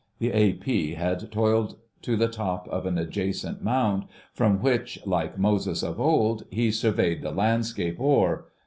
The A.P. had toiled to the top of an adjacent mound, from which, like Moses of old, he "surveyed the landscape o'er."